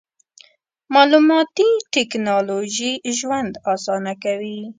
مالوماتي ټکنالوژي ژوند اسانه کوي.